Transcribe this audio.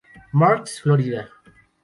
Marks, Florida.